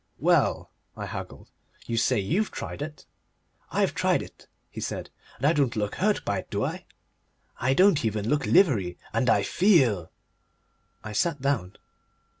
"Well," I haggled. "You say you've tried it?" "I've tried it," he said, "and I don't look hurt by it, do I? I don't even look livery and I FEEL " I sat down.